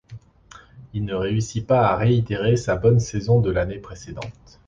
Il ne réussit pas à réitérer sa bonne saison de l'année précédente.